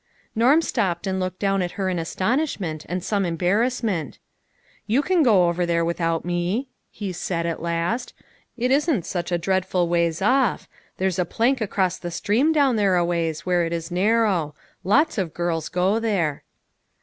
Norm stopped and looked down at her in astonishment, and some embarrassment. " You can go over there without me," he said, at last; "it isn't such a dreadful ways off; there's a plank across the stream down there a ways, where it is narrow. Lots of girls go there."